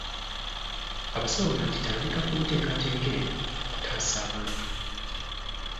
Abasawo banditandika ku nteekateeka eno okutaasa abantu.